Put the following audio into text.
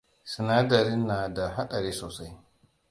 Sinadarin na da haɗari sosai.